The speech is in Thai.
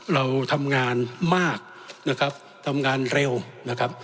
เราทำงานมากนะครับทำงานเร็วนะครับ